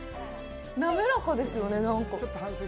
滑らかですよね、なんか。